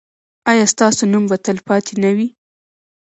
ایا ستاسو نوم به تلپاتې نه وي؟